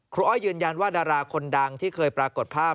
อ้อยยืนยันว่าดาราคนดังที่เคยปรากฏภาพ